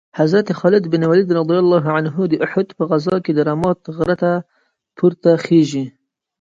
په دې توګه موږ پوهېږو چې کله